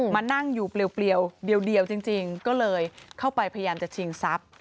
มานั่งอยู่เปลี่ยวเดียวจริงก็เลยเข้าไปพยายามจะชิงทรัพย์